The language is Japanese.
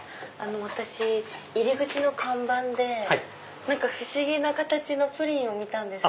私入り口の看板で不思議な形のプリンを見たんです。